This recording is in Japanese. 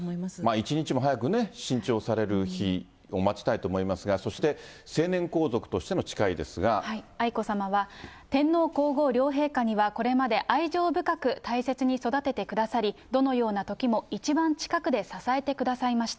一日も早く新調される日を待ちたいと思いますが、そして成年愛子さまは、天皇皇后両陛下にはこれまで愛情深く大切に育ててくださり、どのようなときも一番近くで支えてくださいました。